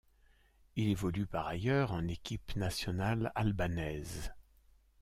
Il évolue par ailleurs en équipe nationale albanaise.